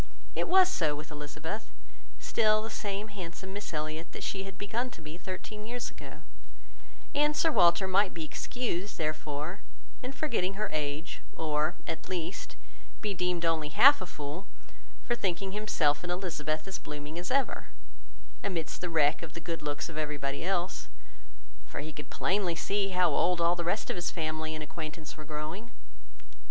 It was so with Elizabeth, still the same handsome Miss Elliot that she had begun to be thirteen years ago, and Sir Walter might be excused, therefore, in forgetting her age, or, at least, be deemed only half a fool, for thinking himself and Elizabeth as blooming as ever, amidst the wreck of the good looks of everybody else; for he could plainly see how old all the rest of his family and acquaintance were growing.